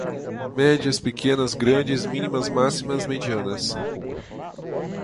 Médias, pequenas, grandes, mínimas, máximas, medianas